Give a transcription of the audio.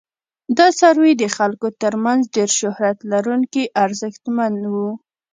دا څاروي د خلکو تر منځ ډیر شهرت لرونکي او ارزښتمن وو.